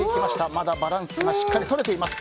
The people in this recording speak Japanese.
まだバランスはしっかりとれています。